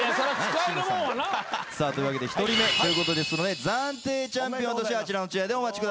さあというわけで１人目ということですので暫定チャンピオンとしてあちらのチェアでお待ちください。